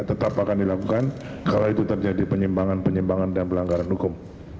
tetap akan dilakukan kalau itu terjadi penyimbangan penyimbangan dan pelanggaran hukum